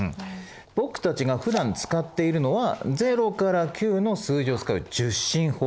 僕たちがふだん使っているのは０から９の数字を使う１０進法。